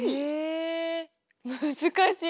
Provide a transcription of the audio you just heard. え難しい。